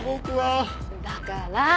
だから！